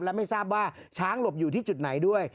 และไม่ทราบว่าช้างหลบอยู่ที่จุดไหนด้วย